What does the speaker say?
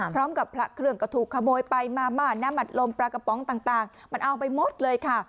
พร้อมกับพระเครื่องก็ถูกขโมยไปมาม่านน้ำอัดลมปลากระป๋องต่างมันเอาไปหมดเลยค่ะ